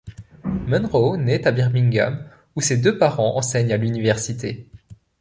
Munrow naît à Birmingham où ses deux parents enseignent à l'Université.